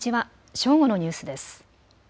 正午のニュースです。